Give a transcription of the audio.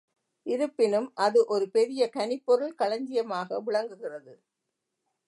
இருப்பினும், அது ஒரு பெரிய கனிப் பொருள் களஞ்சியமாக விளங்குகிறது.